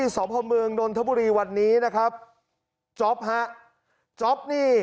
ซ้อมภาพวันธุรกิจข้อมูลตอนนี้